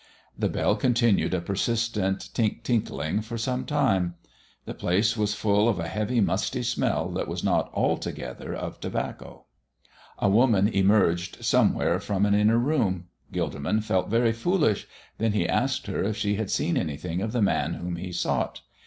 The bell continued a persistent tink tinking for some time. The place was full of a heavy, musty smell that was not altogether of tobacco. A woman emerged somewhere from an inner room. Gilderman felt very foolish. Then he asked her if she had seen anything of the Man whom he sought.